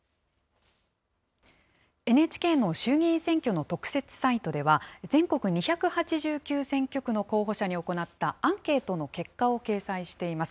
ＮＨＫの衆議院選挙の特設サイトでは、全国２８９選挙区の候補者に行ったアンケートの結果を掲載しています。